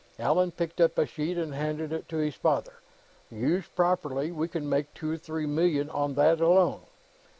Allan picked up a sheet and handed it to his father. "Used properly, we can make two or three million on that, alone.